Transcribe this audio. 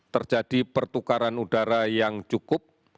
terjadi pertukaran udara yang cukup